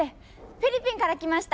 フィリピンから来ました。